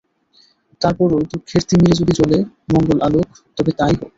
তার পরও দুঃখের তিমিরে যদি জ্বলে মঙ্গল আলোক, তবে তা-ই হোক।